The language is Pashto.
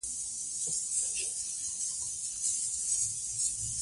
د واک چلند باور اغېزمنوي